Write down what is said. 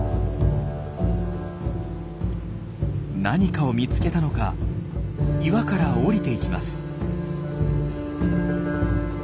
何かを見つけたのか岩から降りていきます。